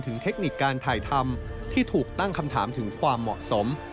เทคนิคการถ่ายทำที่ถูกตั้งคำถามถึงความเหมาะสม